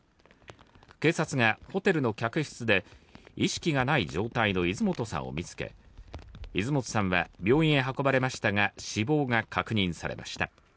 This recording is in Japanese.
警察がホテルの客室で、意識がない状態の泉本さんを見つけ、泉本さんは病院へ運ばれましたが死亡が確認されました。